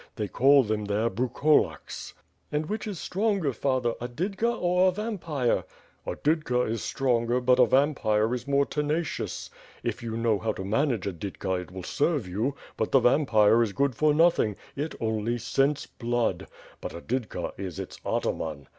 They call them there Brukolaks/^ "And which is stronger, father, a ^didka^ or a vampixe?" "A didka is stronger, but a vampire is more tenacious. If you know how to manage a didka, it will serve you, but the vampire is good for nothing; it only scents blood. But a didka is its ataman.'